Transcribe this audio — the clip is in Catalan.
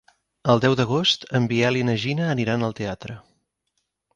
El deu d'agost en Biel i na Gina aniran al teatre.